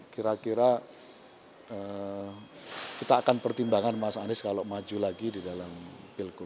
kira kira kita akan pertimbangkan mas anies kalau maju lagi di dalam pilgub